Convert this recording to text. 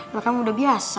ilham udah biasa